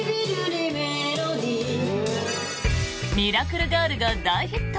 「ミラクル・ガール」が大ヒット！